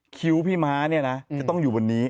คิ้วพี่ม้าเนี่ยนะจะต้องอยู่บนนี้